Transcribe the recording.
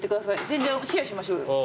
全然シェアしましょうよ。